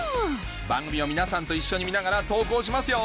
番組を皆さんと一緒に見ながら投稿しますよ！